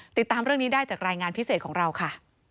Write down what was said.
ติดตามเรื่องนี้ได้จากรายงานพิเศษของเราค่ะ